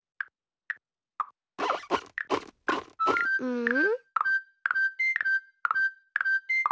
うん？